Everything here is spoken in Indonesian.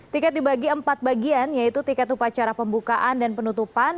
tiket dibagi empat bagian yaitu tiket upacara pembukaan dan penutupan